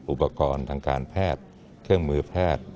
อุปกรณ์ทางการแพทย์เครื่องมือแพทย์